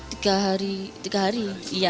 tiga hari tiga hari